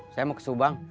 saya mau ke subang